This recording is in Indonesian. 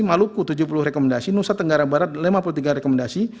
maluku tujuh puluh rekomendasi nusa tenggara barat lima puluh tiga rekomendasi